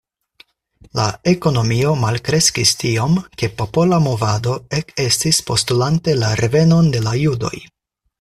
La ekonomio malkreskis tiom ke popola movado ekestis postulante la revenon de la judoj.